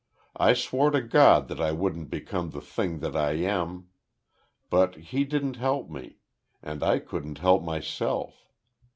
I swore to God that I wouldn't become the thing I am. But He didn't help me; and I couldn't help myself.